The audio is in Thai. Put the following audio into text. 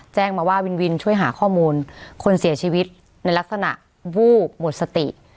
แจ้งมาว่าวินวินช่วยหาข้อมูลคนเสียชีวิตในลักษณะวูบหมดสติ